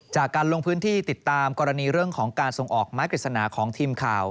จากการลงพื้นที่ติดตามกรณีเรื่องของการส่งออกไม้กฤษณาของทีมข่าว